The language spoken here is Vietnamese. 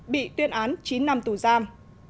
bị tuyên án chín năm tù giam